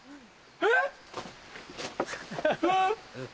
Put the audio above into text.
えっ？